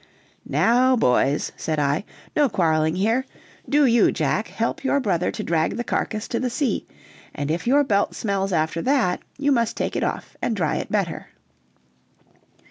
"Now, boys," said I, "no quarreling here; do you, Jack, help your brother to drag the carcass to the sea, and if your belt smells after that you must take it off and dry it better."